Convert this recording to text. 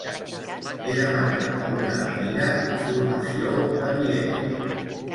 He demanat a una amiga informació de Viena.